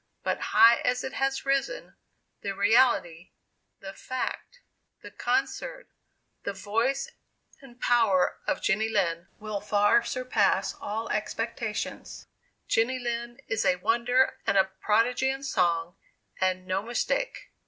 But high as it has risen, the reality the fact the concert the voice and power of Jenny Lind will far surpass all past expectation. Jenny Lind is a wonder, and a prodigy in song and no mistake."